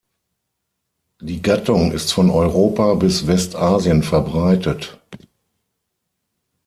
Die Gattung ist von Europa bis Westasien verbreitet.